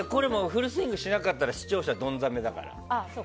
フルスイングしなかったら視聴者ドン冷めだから。